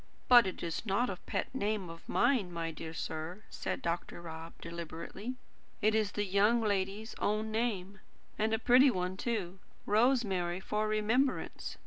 "But it is not a pet name of mine, my dear sir," said Dr. Rob deliberately. "It is the young lady's own name, and a pretty one, too. 'Rosemary for remembrance.'